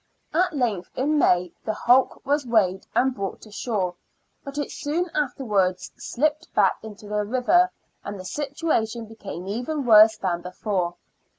At length, in May, the hulk was weighed and brought to shore ; but it soon afterwards slipped back into the river, and the situation became even worse than before.